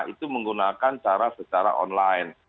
itu menggunakan secara online